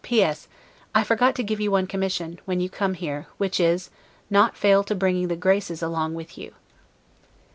P. S. I forgot to give you one commission, when you come here; which is, not to fail bringing the GRACES along with you.